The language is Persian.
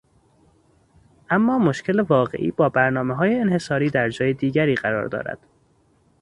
اما مشکل واقعی با برنامههای انحصاری در جای دیگری قرار دارد